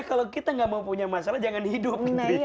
ya kalau kita gak mau punya masalah jangan hidup gitu ya